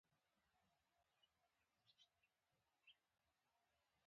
• ښارونه د برېښنا له امله روښانه وي.